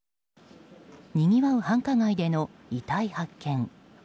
にぎわう繁華街での遺体発見。